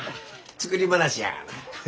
作り話やがな。